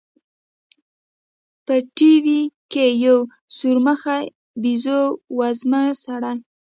په ټي وي کښې يو سورمخى بيزو وزمه سړى.